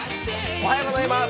おはようございます。